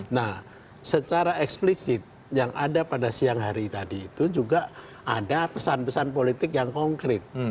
nah secara eksplisit yang ada pada siang hari tadi itu juga ada pesan pesan politik yang konkret